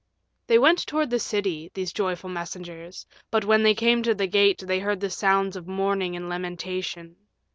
They went toward the city, these joyful messengers, but when they came to the gate they heard the sounds of mourning and lamentation.